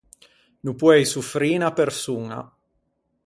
No poei soffrî unna persoña.